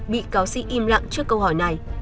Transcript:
bị cáo sĩ im lặng trước câu hỏi này